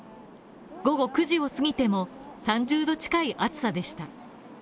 午後９時を過ぎても、３０度近い暑さでした。